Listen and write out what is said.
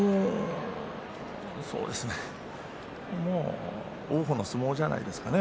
もう王鵬の相撲じゃないですかね